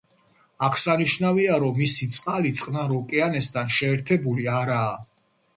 აღსანიშნავია, რომ მისი წყალი წყნარ ოკეანესთან შეერთებული არაა.